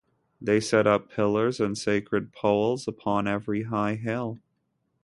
They set up pillars and sacred poles upon every high hill.